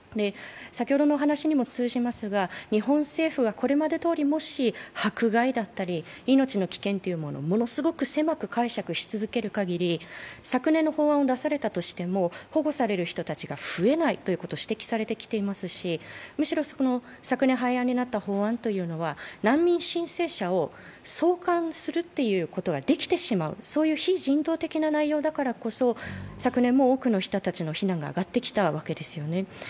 先ほどのお話にも通じますが、日本政府はこれまでどおり、もし、迫害だったり命の危険というものをものすごく狭く解釈するかぎり昨年の法案を出されたとしても保護される方が増えないと指摘されてきていますし、むしろ昨年廃案になった法案というのは難民申請者を送還するということができてしまう、そういう非人道的な内容だからこそ、昨年も大きな非難が上がってきたわけですよね。